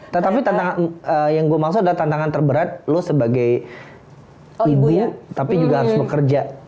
tetapi tantangan yang gue maksud adalah tantangan terberat lo sebagai ibu tapi juga harus bekerja